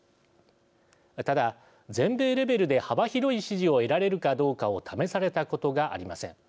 ただ、全米レベルで幅広い支持を得られるかどうかを試されたことがありません。